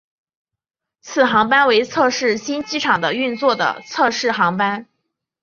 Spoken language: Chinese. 此航班为测试新机场的运作的测试航班。